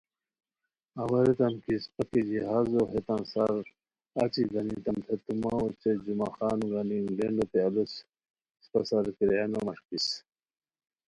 اوا ریتام کی اِسپہ کی جہازو ہیتان سار اچی گانیتام تھے تو مہ اوچے جمعہ خانو گانی انگلینڈوتین الوس اِسپہ سار کرایہ نو مݰکیس